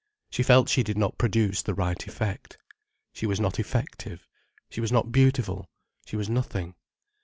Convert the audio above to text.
She felt she did not produce the right effect. She was not effective: she was not beautiful: she was nothing.